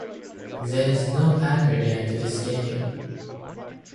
There is no accurate end to this game.